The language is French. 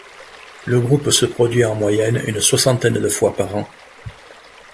Le groupe se produit en moyenne une soixantaine de fois par an.